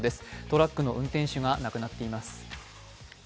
トラックの運転手が亡くなっています。